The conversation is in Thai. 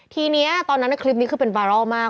ทีนี้ตอนนั้นคลิปนี้คือเป็นบารอลมาก